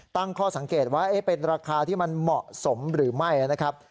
ตั้งข้อสังเกตว่าเป็นราคาที่มันเหมาะสมหรือไม่นะครับ